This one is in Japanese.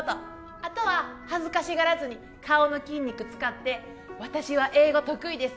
あとは恥ずかしがらずに顔の筋肉使って私は英語得意です